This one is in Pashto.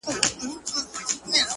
شرجلال مي ته ـ په خپل جمال کي کړې بدل ـ